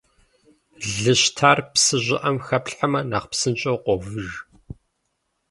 Лы щтар псы щӏыӏэм хэплъхьэмэ, нэхъ псынщӏэу къовыж.